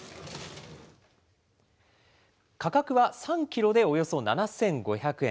価格は３キロでおよそ７５００円。